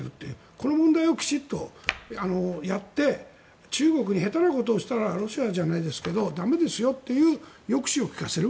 この問題をきちんとやって中国に下手なことをしたらロシアじゃないですけど駄目ですよという抑止を利かせる。